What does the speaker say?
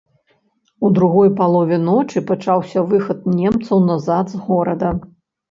У другой палове ночы пачаўся выхад немцаў назад з горада.